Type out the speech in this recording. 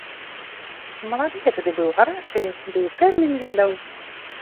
Малады я тады быў, гарачы, ды і тэрмін ведаў.